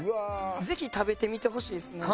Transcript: ぜひ食べてみてほしいですね。